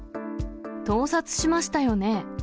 盗撮しましたよね。